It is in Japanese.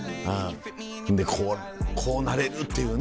でこうなれるっていうね